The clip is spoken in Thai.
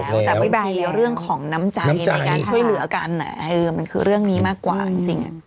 แต่พี่บายแล้วเรื่องของน้ำใจน้ำใจในการช่วยเหลือกันมันคือเรื่องนี้มากกว่าจริง